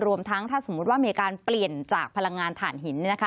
รวมทั้งถ้าสมมุติว่ามีการเปลี่ยนจากพลังงานฐานหิน